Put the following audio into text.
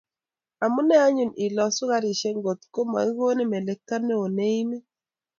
Amune anyun ilosu garisiek ngotko makikonin melekto neo neimin